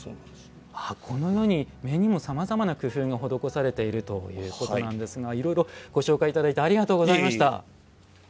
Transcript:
このように、面にもさまざまな工夫が施されているということなんですがいろいろご紹介いただいてありがとうございました。